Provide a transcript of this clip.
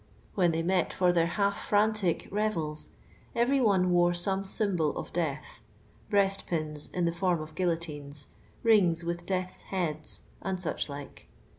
When they met for their halffrantic revels ever}' one wore some symbol of death : bre.ist pins in the form of guillotines, rings with death's heads, and such like.